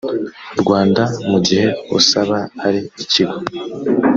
rwanda mu gihe usaba ari ikigo